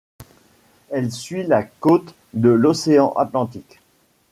Elle suit la côte de l'océan Atlantique.